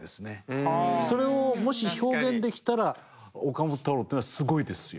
それをもし表現できたら岡本太郎っていうのはすごいですよ。